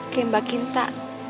kayak mbak kinta